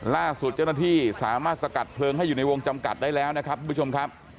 ล่าสุดเจ้าหน้าที่สามารถสกัดเพลิงให้อยู่ในวงจำกัดได้แล้วนะครับทุกผู้ชมครับ